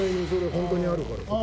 本当にあるから言葉。